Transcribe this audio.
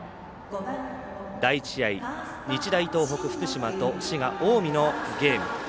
第１試合、日大東北、福島と志賀、近江のゲーム。